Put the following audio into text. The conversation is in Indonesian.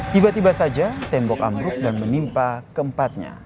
tiba tiba saja tembok ambruk dan menimpa keempatnya